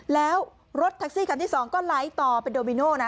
แล้วรถแท็กซี่คันที่๒ก็ไหลต่อเป็นโดมิโน่นะ